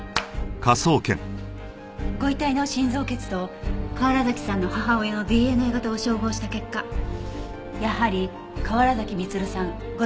ご遺体の心臓血と河原崎さんの母親のＤＮＡ型を照合した結果やはり河原崎満さん５０歳でした。